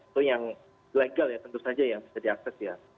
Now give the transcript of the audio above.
itu yang ilegal ya tentu saja yang bisa diakses ya